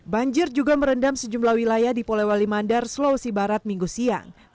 banjir juga merendam sejumlah wilayah di polewali mandar sulawesi barat minggu siang